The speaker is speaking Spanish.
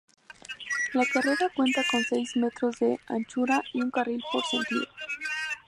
La carretera cuenta con seis metros de anchura y un carril por sentido.